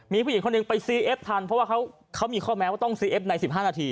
มีผู้หญิงคนหนึ่งไปซีเอฟทันเพราะว่าเขามีข้อแม้ว่าต้องซีเอฟใน๑๕นาที